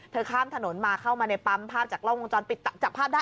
ข้ามถนนมาเข้ามาในปั๊มภาพจากกล้องวงจรปิดจับภาพได้